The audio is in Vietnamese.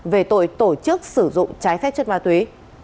về tội tổ chức sử dụng trái phép chất ma túy